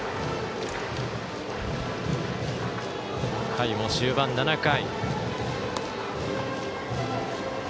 回も終盤、７回。